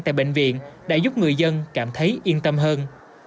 tại bệnh viện đã giúp người dân cảm thấy yên tâm hơn